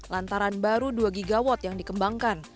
lantaran baru dua gigawatt yang dikembangkan